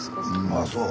ああそう。